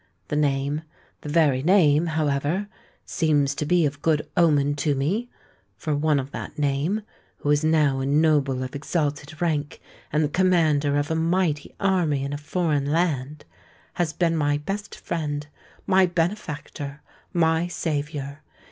The name—the very name, however, seems to be of good omen to me; for one of that name,—who is now a noble of exalted rank, and the commander of a mighty army in a foreign land,—has been my best friend—my benefactor—my saviour.